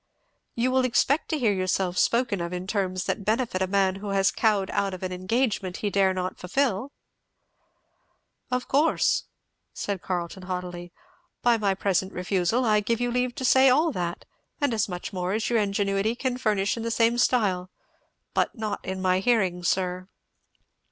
"You will expect to hear yourself spoken of in terms that befit a man who has cowed out of an engagement he dared not fulfil?" "Of course," said Carleton haughtily, "by my present refusal I give you leave to say all that, and as much more as your ingenuity can furnish in the same style; but not in my hearing, sir."